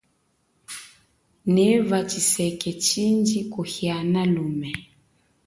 Neva tshiseke tshindji kuhiana lume.